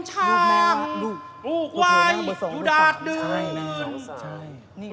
ของทุนชาลูกไวทุดาทดึง